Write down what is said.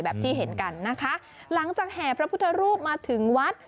ที่เห็นกันนะคะหลังจากแห่พระพุทธรูปมาถึงวัด